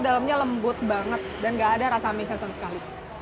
dalamnya ada menggeser didalamnya lembut banget dan enggak ada rasa me sheepshell